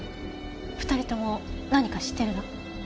２人とも何か知ってるの？